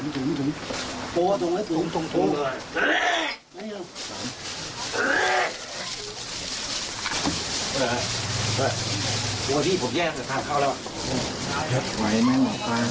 แย่แย่ทางเข้าแล้วครับ